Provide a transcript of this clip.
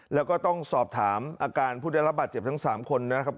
แล้วก็ต้องสอบถามอาการผู้ได้รับบาดเจ็บทั้ง๓คนนะครับ